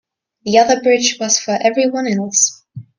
The other bridge was for everyone else.